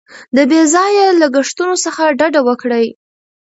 د بې ځایه لګښتونو څخه ډډه وکړئ.